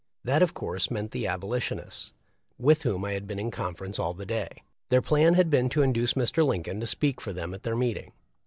That of course meant the Abolitionists with whom I had been in conference all the day. Their plan had been to induce Mr. Lincoln to speak for them at their meeting.